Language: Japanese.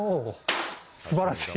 すばらしい。